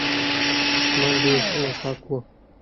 اسمان ډېر شین او پاک و.